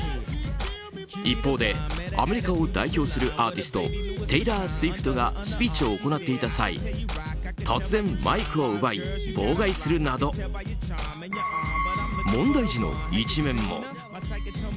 一方で、アメリカを代表するアーティストテイラー・スウィフトがスピーチを行っていた際突然マイクを奪い妨害するなど問題児の一面も。